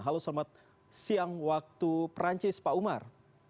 halo selamat siang waktu perancis pak umar